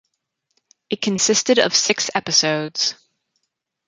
It consisted of six episodes.